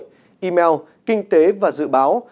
chương trình kinh tế và dự báo